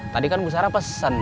tadi kan bu sarah pesen